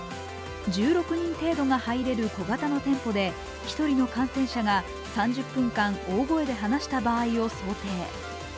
１６人程度が入れる小型の店舗で１人の感染者が３０分間大声で話した場合を想定。